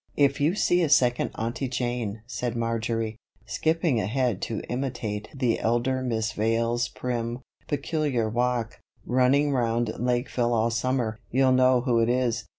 "If you see a second Aunty Jane," said Marjory, skipping ahead to imitate the elder Miss Vale's prim, peculiar walk, "running round Lakeville all summer, you'll know who it is.